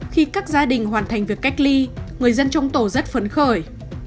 khi các gia đình hoàn thành việc cách ly người dân trong tổ rất phấn khởi